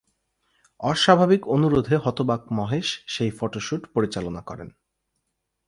অস্বাভাবিক অনুরোধে হতবাক মহেশ সেই ফটো শ্যুট পরিচালনা করেন।